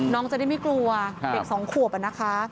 น้องจะได้ไม่กลัวเด็กสองขวบนะคะ